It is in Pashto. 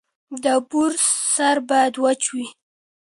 د برس سر باید وچ وي.